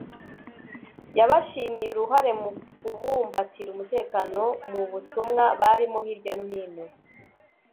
yabashimiye uruhare mu kubumbatira umutekano mu butumwa barimo hirya no hino